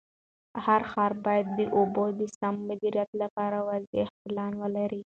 هر ښار باید د اوبو د سم مدیریت لپاره واضح پلان ولري.